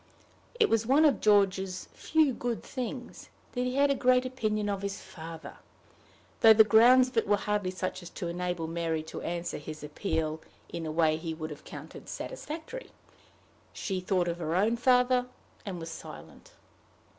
It was one of George's few good things that he had a great opinion of his father, though the grounds of it were hardly such as to enable Mary to answer his appeal in a way he would have counted satisfactory. She thought of her own father, and was silent.